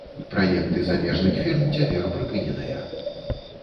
Праекты замежных фірм цяпер прыпыненыя.